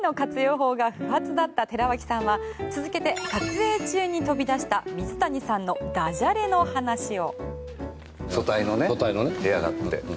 法が不発だった寺脇さんは、続けて撮影中に飛び出した水谷さんのダジャレの話を。